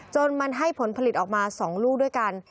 จนมันให้ผลผลิตออกมา๒ลูกด้วยกัน